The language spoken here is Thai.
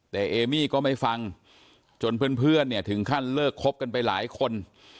แต่เอมี่ก็ไม่ฟังจนเพื่อนเนี่ยถึงขั้นเลิกคบกันไปหลายคน